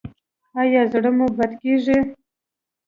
ایا زړه مو بد کیږي؟